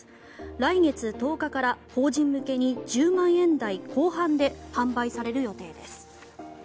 来月１０日から法人向けに１０万円台後半で販売される予定です。